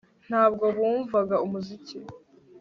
Ntabwo bumvaga umuziki